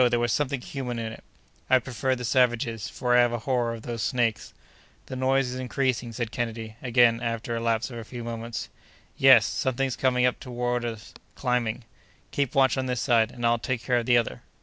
there was something human in it." "I'd prefer the savages, for I have a horror of those snakes." "The noise is increasing," said Kennedy, again, after a lapse of a few moments. "Yes! something's coming up toward us—climbing." "Keep watch on this side, and I'll take care of the other."